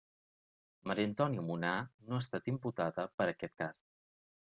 Maria Antònia Munar no ha estat imputada per aquest cas.